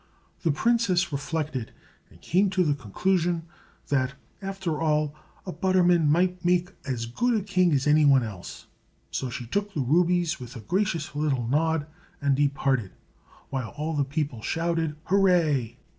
The princess reflected, and came to the conclusion that, after all, a butterman might make as good a king as any one else; so she took the rubies with a gracious little nod, and departed, while all the people shouted, "Hooray!"